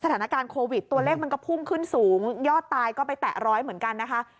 สถานการณ์โควิดตัวเลขมันก็พุ่งขึ้นสูงยอดตายก็ไปแตะร้อยเหมือนกันนะคะ